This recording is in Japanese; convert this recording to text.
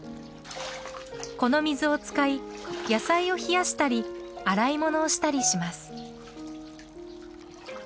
この水を使い野菜を冷やしたり洗い物をしたりします。